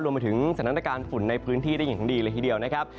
รวมไปถึงสถานการณ์ฝุ่นในพื้นที่ได้อย่างดีเลยทีเดียวนะครับ